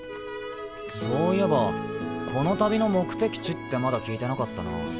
そういえばこの旅の目的地ってまだ聞いてなかったな。